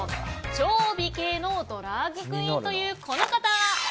超美形のドラァグクイーンというこの方。